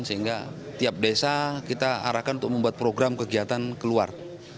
sehingga tiap desa kita arahkan untuk membuat program kegiatan keluar